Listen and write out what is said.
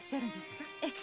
ええ。